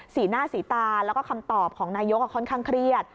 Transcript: สีหน้าสีตาแล้วก็คำตอบของนายกค่อนข้างเครียด